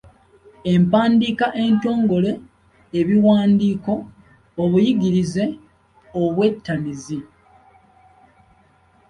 empandiika entongole, ebiwandiiko, obuyigirize, obwettanizi